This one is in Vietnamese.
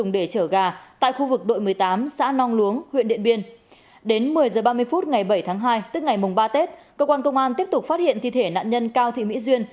đến một mươi h ba mươi phút ngày bảy tháng hai tức ngày ba tết cơ quan công an tiếp tục phát hiện thi thể nạn nhân cao thị mỹ duyên